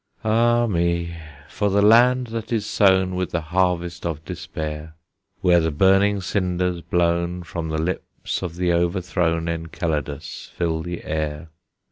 Ah me! for the land that is sown With the harvest of despair! Where the burning cinders, blown From the lips of the overthrown Enceladus, fill the air.